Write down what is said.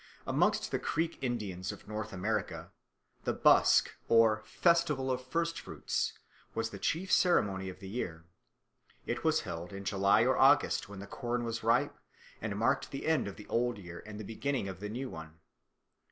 Amongst the Creek Indians of North America, the busk or festival of first fruits was the chief ceremony of the year. It was held in July or August, when the corn was ripe, and marked the end of the old year and the beginning of the new one.